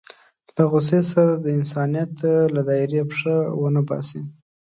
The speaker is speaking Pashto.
له غوسې سره د انسانيت له دایرې پښه ونه باسي.